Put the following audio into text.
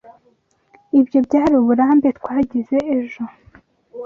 Ibyo byari uburambe twagize ejo.